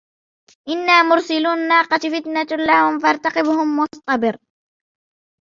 إِنَّا مُرْسِلُوا النَّاقَةِ فِتْنَةً لَّهُمْ فَارْتَقِبْهُمْ وَاصْطَبِرْ